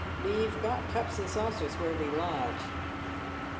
We've got cups and saucers where we lodge."